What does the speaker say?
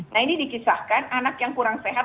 nah ini dikisahkan anak yang kurang sehat